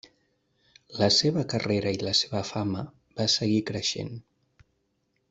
La seva carrera i la seva fama va seguir creixent.